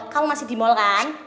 kamu masih di mall kan